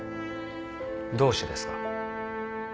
どうしてですか？